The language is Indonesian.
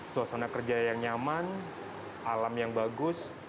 suasana kerja yang nyaman alam yang bagus